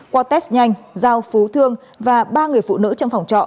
qua test nhanh giao phú thương và ba người phụ nữ trong phòng trọ